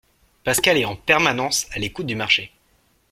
Pascal est en permanence à l'écoute du marché.